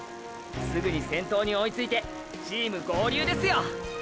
⁉すぐに先頭に追いついてチーム合流ですよ！！